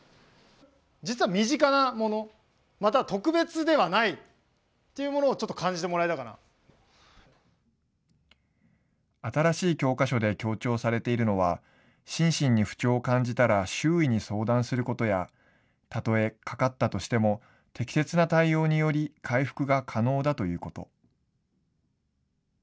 実は身近なもの、または特別ではないっていうものをちょっと新しい教科書で強調されているのは、心身に不調を感じたら周囲に相談することや、たとえかかったとしても、適切な対応により回復が可能だということ。